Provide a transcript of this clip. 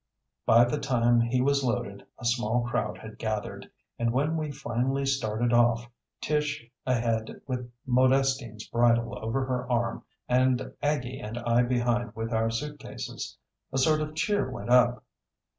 By the time he was loaded a small crowd had gathered, and when we finally started off, Tish ahead with Modestine's bridle over her arm and Aggie and I behind with our suitcases, a sort of cheer went up.